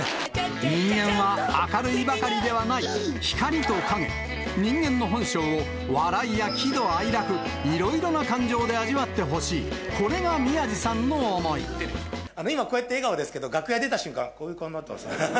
人間は明るいばかりではない、光と影、人間の本性を笑いや喜怒哀楽、いろいろな感情で味わって今、こうやって笑顔ですけど、楽屋出た瞬間、こういう顔になってますんでね。